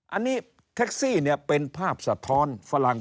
อันนี้แท็กซี่เนี่ยเป็นภาพสะท้อนฝรั่ง